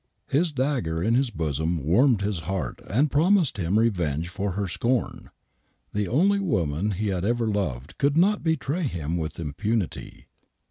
His dagger in his bosom warmed his heart and promised him revenge for her scorn. The only woman he had ever loved could not betray him with impunity.